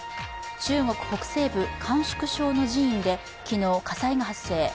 中国北西部、甘粛省の寺院で昨日、火災が発生。